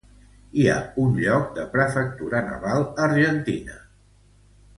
Hi ha un lloc de Prefectura Naval Argentina.